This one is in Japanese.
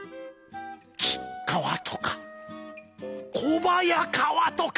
吉川とか小早川とか。